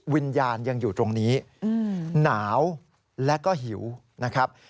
วิญญาณยังอยู่ตรงนี้หนาวและก็หิวนะครับ